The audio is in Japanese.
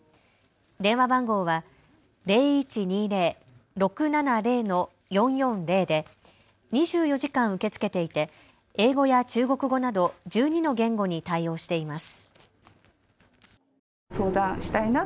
電話番号は０１２０−６７０−４４０で２４時間受け付けていて英語や中国語など１２の言語に対応しています。